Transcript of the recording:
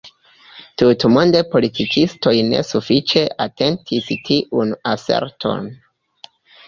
Tutmonde politikistoj ne sufiĉe atentis tiun aserton.